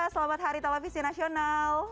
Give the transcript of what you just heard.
selamat hari televisi nasional